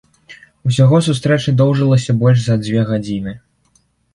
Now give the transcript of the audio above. Усяго сустрэча доўжылася больш за дзве гадзіны.